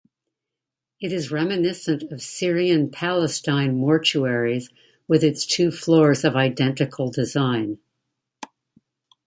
It is reminiscent of Syrian-Palestine mortuaries with its two floors of identical design.